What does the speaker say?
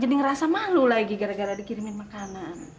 jadi ngerasa malu lagi gara gara dikirimin makanan